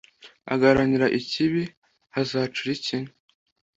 agaharanira ikibi, hazacura iki